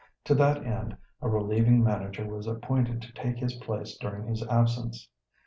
To that end a relieving manager was appointed to take his place during his absence.